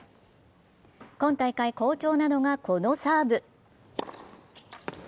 今大会好調なのが、このサーブ。